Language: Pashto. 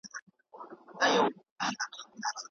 تاسي باید د اخیرت لپاره تر ټولو نېکې هیلې ولرئ